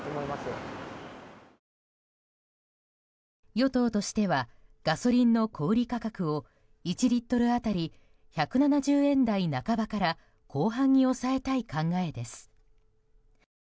与党としてはガソリンの小売価格を１リットル当たり１７０円台半ばから後半に抑えたい考えです。